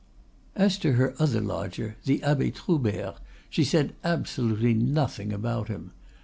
As to her other lodger, the Abbe Troubert, she said absolutely nothing about him.